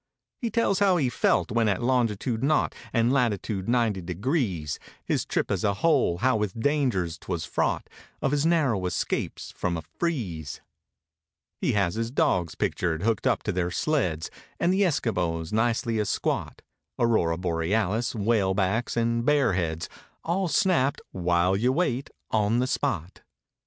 He tells how he felt when at longitude nought. And latitude ninety degrees; His trip as a whole, how with dangers 'twas fraught: Of his narrow escapes from a "freeze," 91 He has his dogs pictured, hooked up to their sleds; And the Eskimos, nicely a squat; Aurora Borealis, whale backs and bear heads; All snapped "while you wait," on the spot.